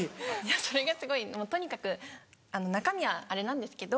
それがすごいとにかく中身はあれなんですけど。